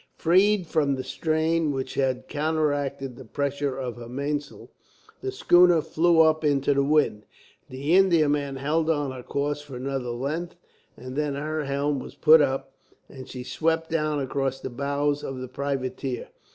Freed from the strain which had counteracted the pressure of her mainsail, the schooner flew up into the wind. The Indiaman held on her course for another length, and then her helm was put up, and she swept down across the bows of the privateer.